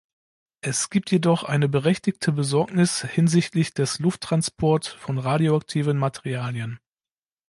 Es gibt jedoch eine berechtigte Besorgnis hinsichtlich des Lufttransport von radioaktiven Materialien.